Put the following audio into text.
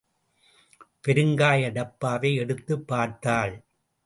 பெருங்காய டப்பாவை எடுத்துப் பார்த்தாள்.